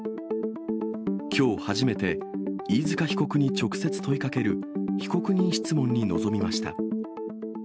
きょう初めて、飯塚被告に直接問いかける被告人質問に臨みました。